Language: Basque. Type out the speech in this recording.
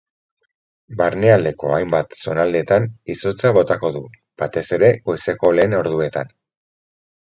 Barnealdeko hainbat zonaldetan izotza botako du, batez ere goizeko lehen orduetan.